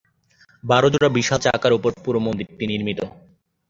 বারো জোড়া বিশাল চাকার ওপর পুরো মন্দিরটি নির্মিত।